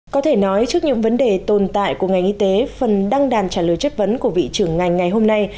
có thể nói trước những vấn đề tồn tại của ngành y tế phần đăng đàn trả lời chất vấn của vị trưởng ngành ngày hôm nay